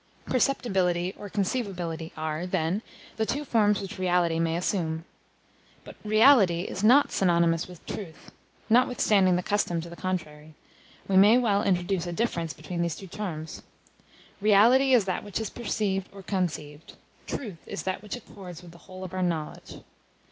Perceptibility or conceivability are, then, the two forms which reality may assume. But reality is not synonymous with truth; notwithstanding the custom to the contrary, we may well introduce a difference between these two terms. Reality is that which is perceived or conceived; truth is that which accords with the whole of our knowledge.